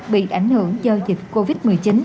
bị ảnh hưởng do dịch covid một mươi chín